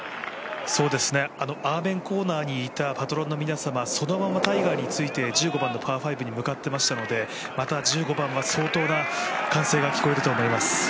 アーメンコーナーにいたパトロンの皆様、そのままタイガーについて１５番のパー５に向かっていましたので、また１５番は相当な歓声が聞こえると思います。